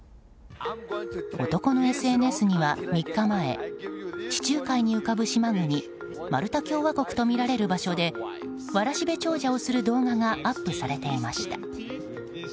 男のＳＮＳには３日前地中海に浮かぶ島国マルタ共和国とみられる場所でわらしべ長者をする動画がアップされていました。